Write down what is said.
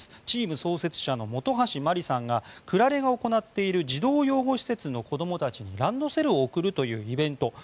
チーム創設者の本橋麻里さんがクラレが行っている児童養護施設の子たちにランドセルを贈るというイベント